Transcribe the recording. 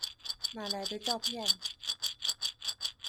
哪來的照片？